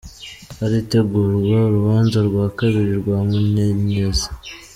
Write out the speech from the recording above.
Haritegurwa urubanza rwa kabiri rwa Munyenyezi